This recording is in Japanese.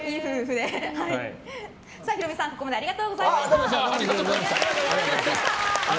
ヒロミさん、ここまでありがとうございました。